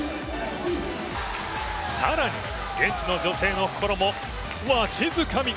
更に現地の女性の心もわしづかみ。